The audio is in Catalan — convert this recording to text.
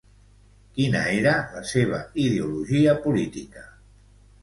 Quina era la seva ideologia política?